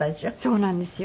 そうなんですよ。